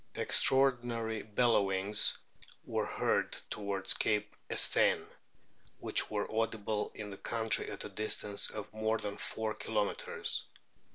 Extraordinary bellowings were heard towards Cape Estain, which were audible in the country at a distance of more than four kilometres.